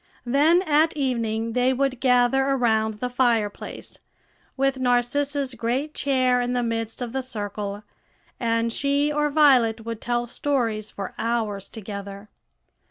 Then at evening they would gather around the fireplace, with Narcissa's great chair in the midst of the circle, and she or Violet would tell stories for hours together.